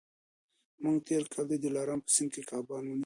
موږ تېر کال د دلارام په سیند کي کبان ونیول.